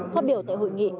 phát biểu tại hội nghị